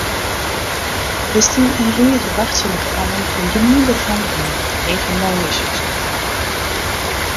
Der stie in rige wachtsjende fammen en gjinien dêrfan gong nei it lege manljushúske.